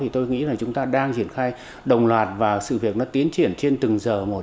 tôi nghĩ là chúng ta đang triển khai đồng loạt và sự việc tiến triển trên từng giờ một